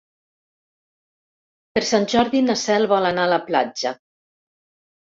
Per Sant Jordi na Cel vol anar a la platja.